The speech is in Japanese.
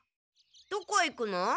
どこ行くの？